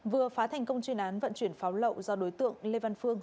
vừa phá thành công chuyên án vận chuyển pháo lậu do đối tượng lê văn phương